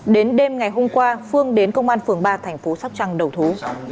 đến đêm ngày hôm qua phương đến công an phường ba thành phố sóc trăng đầu thú